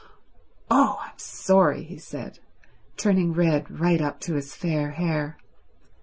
"Oh, I'm sorry," he said, turning red right up to his fair hair.